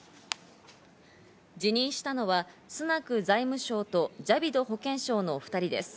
辞任したのはスナク財務省とジャビド保健相の２人です。